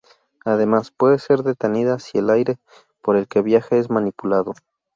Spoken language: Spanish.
Además, puede ser detenida si el aire por el que viaja es manipulado.